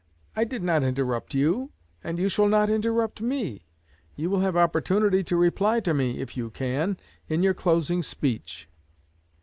'I did not interrupt you, and you shall not interrupt me. You will have opportunity to reply to me if you can in your closing speech.'"